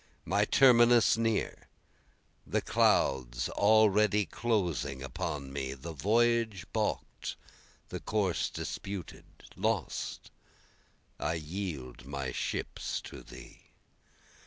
My terminus near, The clouds already closing in upon me, The voyage balk'd, the course disputed, lost, I yield my ships to Thee.